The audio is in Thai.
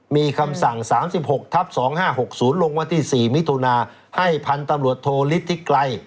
มีคำสั่ง๓๖ทับ๒๕๖๐ลงวันที่๔มิถุนาให้พันธุ์ตำรวจโทฤทธิไกร